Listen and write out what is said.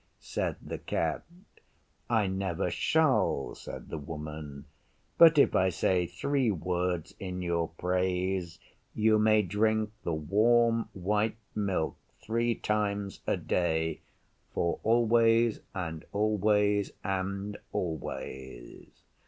said the Cat. 'I never shall,' said the Woman, 'but if I say three words in your praise, you may drink the warm white milk three times a day for always and always and always.